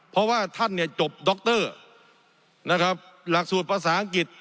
เพราะว่าท่านเนี่ยจบดรนะครับหลักสูตรภาษาอังกฤษ